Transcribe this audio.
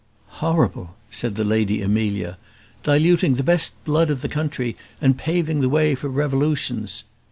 "Horrible!" said the Lady Amelia; "diluting the best blood of the country, and paving the way for revolutions."